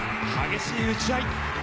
激しい打ち合い。